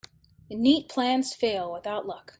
Neat plans fail without luck.